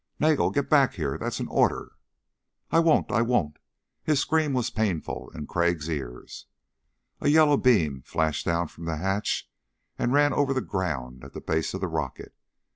"Nagel, get back here! That's an order." "I won't ... I won't!" His scream was painful in Crag's ears. A yellow beam flashed down from the hatch and ran over the ground at the base of the rocket.